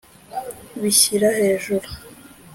bishyira hejuru